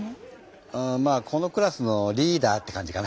うまあこのクラスのリーダーって感じかな。